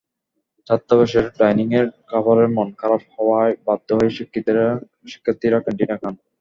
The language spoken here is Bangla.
ছাত্রাবাসের ডাইনিংয়ের খাবারের মান খারাপ হওয়ায় বাধ্য হয়েই শিক্ষার্থীরা ক্যানটিনে খান।